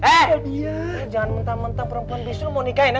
eh lo jangan mentah mentah perempuan bisu lo mau nikahin